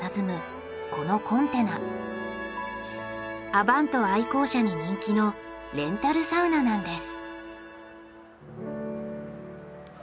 アヴァント愛好者に人気のレンタルサウナなんです。